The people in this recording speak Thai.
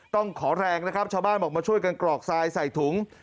ต้องขอแรงนะครับชาวบ้านบอกมาช่วยกันกรอกทรายใส่ถุง